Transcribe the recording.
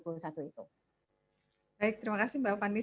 baik terima kasih mbak fani